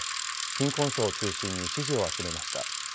貧困層を中心に支持を集めました。